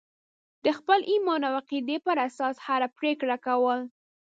د خپل ایمان او عقیدې پر اساس هره پرېکړه کول.